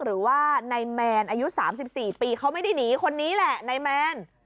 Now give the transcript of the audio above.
หรือว่านายแมนอายุ๓๔ปีเขาไม่ได้หนีคนนี้แหละนายแมน